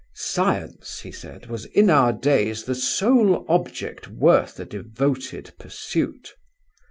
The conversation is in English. Science, he said, was in our days the sole object worth a devoted pursuit.